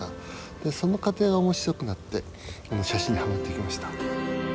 でその過程が面白くなって写真にはまっていきました。